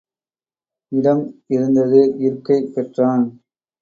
இடம் இருந்தது இருக்கை பெற்றான்.